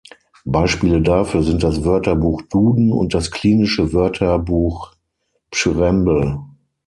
Beispiele dafür sind das Wörterbuch Duden und das Klinische Wörterbuch Pschyrembel.